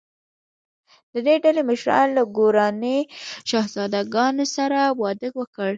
د دې ډلې مشرانو له ګوراني شهزادګانو سره واده وکړ.